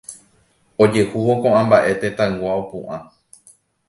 Ojehúvo ko'ã mba'e tetãygua opu'ã.